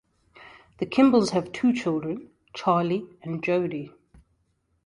The Kimbles have two children, Charlie and Jody.